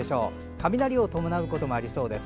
雷を伴うこともありそうです。